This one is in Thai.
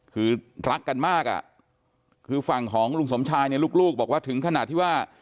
คือรักกันมากอ่ะคือฝั่งของลุงสมชายเนี่ยลูกบอกว่าถึงขนาดที่ว่า